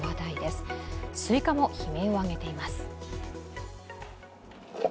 すいかも悲鳴を上げています。